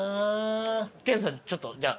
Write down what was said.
ケンさんちょっとじゃあ。